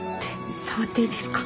触っていいですか？